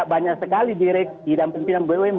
banyak sekali di reksi dan pimpinan bumn